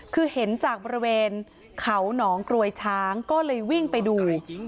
คือเห็นจากบริเวณเขาหนองกรวยช้างก็เลยวิ่งไปดู